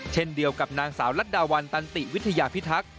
เช่นเดียวกับนางสาวลัดดาวันตันติวิทยาพิทักษ์